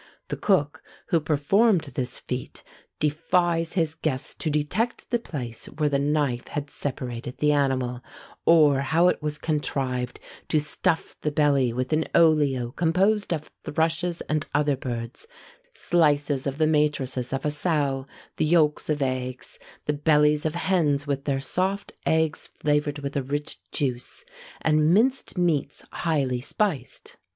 The cook who performed this feat defies his guests to detect the place where the knife had separated the animal, or how it was contrived to stuff the belly with an olio composed of thrushes and other birds, slices of the matrices of a sow, the yolks of eggs, the bellies of hens with their soft eggs flavoured with a rich juice, and minced meats highly spiced.